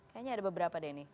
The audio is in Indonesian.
kayaknya ada beberapa deh ini